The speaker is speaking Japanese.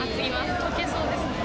とけそうですね。